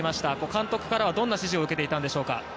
監督からはどんな指示を受けていたんでしょうか。